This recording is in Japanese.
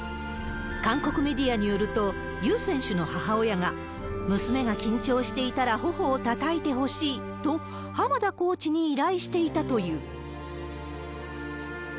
韓国メディアによると、ユ選手の母親が、娘が緊張していたらほほをたたいてほしいと、濱田コーチに依頼していたという。